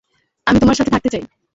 আমি তোমার সাথে থাকতে চাই।